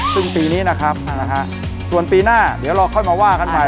ซึ่งปีนี้นะครับส่วนปีหน้าเดี๋ยวเราค่อยมาว่ากันใหม่